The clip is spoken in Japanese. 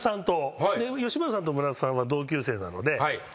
吉村さんと村田さんは同級生なので。